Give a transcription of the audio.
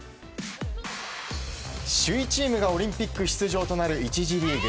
首位チームがオリンピック出場となる１次リーグ。